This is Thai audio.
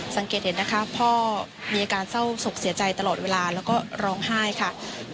สังเกตเห็นนะคะพ่อมีอาการเศร้าศกเสียใจตลอดเวลาแล้วก็ร้องไห้ค่ะ